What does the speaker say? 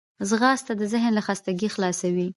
ځغاسته د ذهن له خستګي خلاصوي